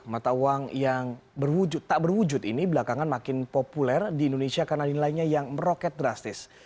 mata uang yang tak berwujud ini belakangan makin populer di indonesia karena nilainya yang meroket drastis